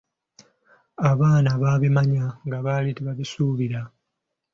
Abaana baabimanya nga baali tebakisuubira.